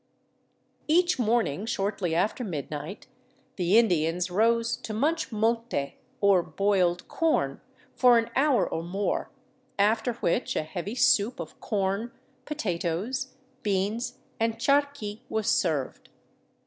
Each morning, shortly after midnight, the Indians rose to munch mote, or boiled corn, for an hour or more, after which a heavy soup of corn, potatoes, beans, and charqui, was served.